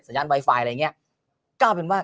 ยานไวไฟอะไรอย่างนี้ก็เป็นว่า